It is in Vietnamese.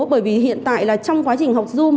bởi vì hiện tại là trong quá trình học dung